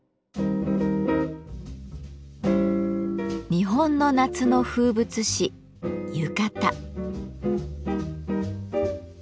日本の夏の風物詩「浴衣」。